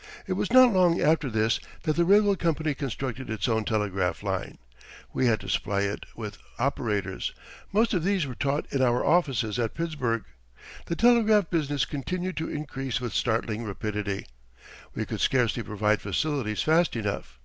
] It was not long after this that the railroad company constructed its own telegraph line. We had to supply it with operators. Most of these were taught in our offices at Pittsburgh. The telegraph business continued to increase with startling rapidity. We could scarcely provide facilities fast enough.